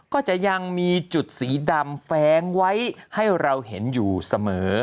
ก็จะมีจุดสีดำแฟ้งไว้ให้เราเห็นอยู่เสมอ